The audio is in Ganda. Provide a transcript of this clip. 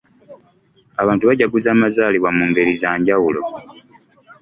Abantu bajaguza amazaalibwa mu ngeri za njawulo.